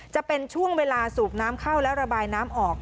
จะเป็นช่วงเวลาสูบน้ำเข้าและระบายน้ำออก